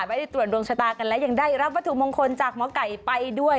ไม่ได้ตรวจดวงชะตากันและยังได้รับวัตถุมงคลจากหมอไก่ไปด้วย